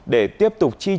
để tiếp tục tham gia